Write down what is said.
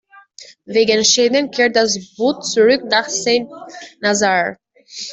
Wegen Schäden kehrt das Boot zurück nach Saint-Nazaire.